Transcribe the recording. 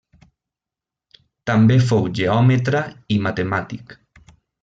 També fou geòmetra i matemàtic.